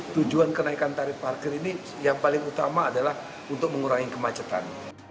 tujuan kenaikan tarif parkir ini yang paling utama adalah untuk mengurangi kemacetan